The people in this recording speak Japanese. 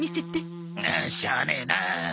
しゃあねえな。